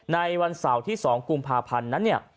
ในวันเสาร์ที่๒กุมภาพันธ์นั้นเนี่ย